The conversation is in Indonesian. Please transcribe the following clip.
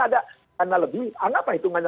ada karena lebih anggap lah hitungannya